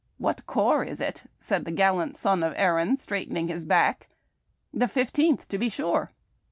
'■'■ What corps, is it ?" said the gallant son of Erin, straight ening liis back; ''the Fifteenth, to be sure."